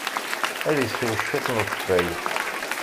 Ad isew cwiṭ n ukeffay.